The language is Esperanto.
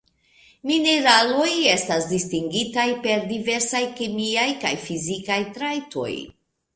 Mineraloj estas distingitaj per diversaj kemiaj kaj fizikaj trajtoj.